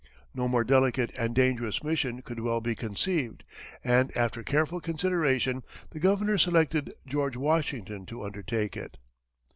No more delicate and dangerous mission could well be conceived, and after careful consideration, the governor selected George Washington to undertake it.